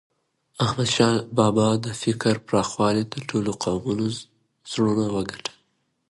احمدشاه بابا د فکر پراخوالي د ټولو قومونو زړونه وګټل.